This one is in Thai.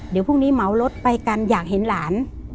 เดี๋ยวพรุ่งนี้เหมารถไปกันอยากเห็นหลาน